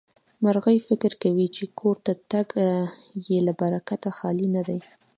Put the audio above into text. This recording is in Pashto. مرغۍ فکر کوي چې کور ته راتګ يې له برکته خالي نه دی.